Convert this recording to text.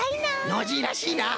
ノージーらしいな！